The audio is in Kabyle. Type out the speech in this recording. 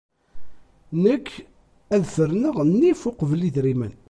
Nekk ad ferneɣ nnif uqbel idrimen.